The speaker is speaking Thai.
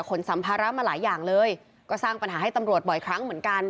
สัมภาระมาหลายอย่างเลยก็สร้างปัญหาให้ตำรวจบ่อยครั้งเหมือนกัน